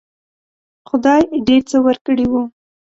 خدای ډېر څه ورکړي وو.